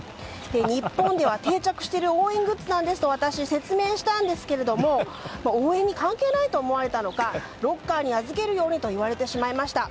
日本では定着している応援グッズですと説明したんですけれども応援に関係ないと思われたのかロッカーに預けるようにと言われてしまいました。